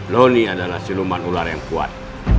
lonnie adalah senuman ular yang kuat